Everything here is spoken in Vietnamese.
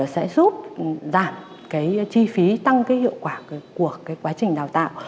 sẽ giúp giảm cái chi phí tăng cái hiệu quả của cái quá trình đào tạo